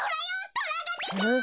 トラがでた！